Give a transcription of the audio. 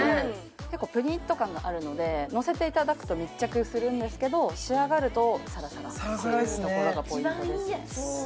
結構ぷにっと感があるのでのせていただくと密着するんですけど仕上がるとサラサラというところがポイントですね